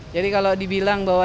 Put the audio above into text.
jadi kalau dibilang bahwa